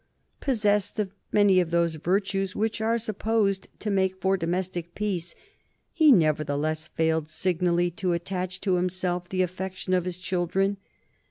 Possessed of many of those virtues which are supposed to make for domestic peace, he nevertheless failed signally to attach to himself the affection of his children.